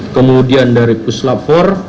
kemudian dari puslapor